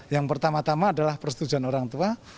yang pertama tama adalah persetujuan orang tua